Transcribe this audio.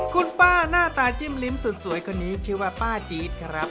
คุณป้าหน้าตาจิ้มลิ้มสุดสวยคนนี้ชื่อว่าป้าจี๊ดครับ